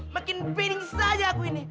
makin piring saja aku ini